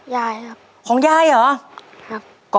ใช่นักร้องบ้านนอก